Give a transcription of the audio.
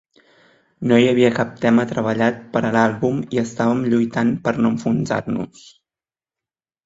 No hi havia cap tema treballat per a l'àlbum i estàvem lluitant per no enfonsar-nos.